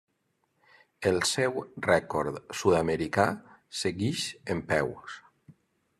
El seu rècord sud-americà segueix en peus.